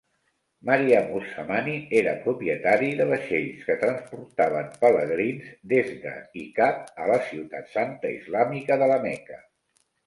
Mariam-uz-Zamani era propietari de vaixells que transportaven pelegrins des de i cap a la ciutat santa islàmica de la Meca.